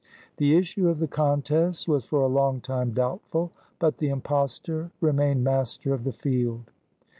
The issue of the contest was for a long time doubtful; but the impostor remained master of the field.